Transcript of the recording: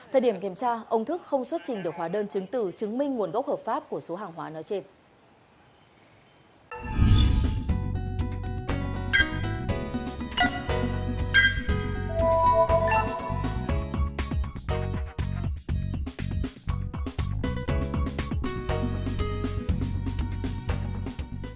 thời điểm kiểm tra ông thức không xuất trình được hóa đơn chứng tử chứng minh nguồn gốc hợp pháp của số hàng hóa nói trên